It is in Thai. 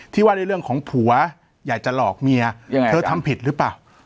ที่ว่าในเรื่องของผัวอยากจะหลอกเมียยังไงเธอทำผิดหรือเปล่า